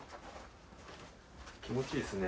気持ちいいですね。